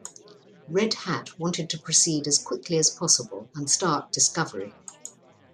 Red Hat wanted to proceed as quickly as possible and start discovery.